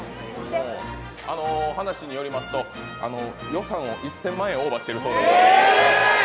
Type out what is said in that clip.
話によりますと、予算を１０００万円オーバーしているそうでございます。